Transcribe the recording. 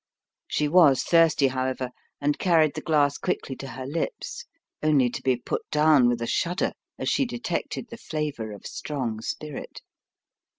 She was thirsty, however, and carried the glass quickly to her lips, only to be put down with a shudder as she detected the flavour of strong spirit.